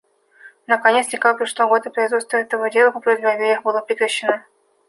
Наконец, в декабре прошлого года производство этого дела по просьбе обеих было прекращено.